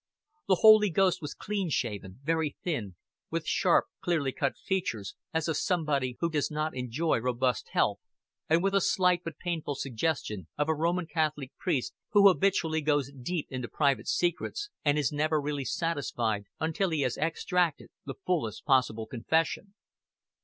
The Holy Ghost was clean shaven, very thin, with sharp clearly cut features as of somebody who does not enjoy robust health, and with a slight but painful suggestion of a Roman Catholic priest who habitually goes deep into private secrets and is never really satisfied until he has extracted the fullest possible confessions.